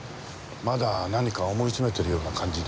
まだ何か思い詰めてるような感じで。